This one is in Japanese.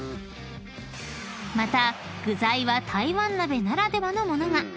［また具材は台湾鍋ならではの物が］